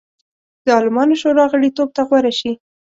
د عالمانو شورا غړیتوب ته غوره شي.